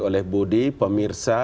oleh budi pemirsa